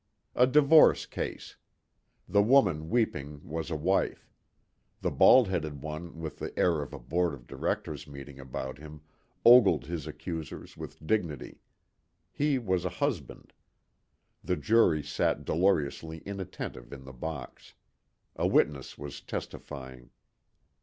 A divorce case. The woman weeping was a wife. The bald headed one with the air of a board of directors' meeting about him ogled his accusers with dignity. He was a husband. The jury sat dolorously inattentive in the box. A witness was testifying.